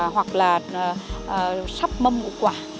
hoặc là sắp mâm ngũ quả